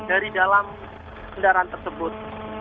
dari dalam kendaraan tersebut